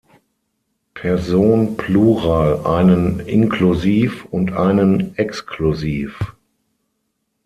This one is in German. Person Plural einen „Inklusiv“ und einen „Exklusiv“.